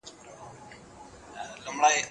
د فراغت سند په اسانۍ سره نه منظوریږي.